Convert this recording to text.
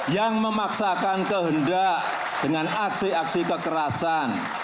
yang memaksakan kehendak dengan aksi aksi kekerasan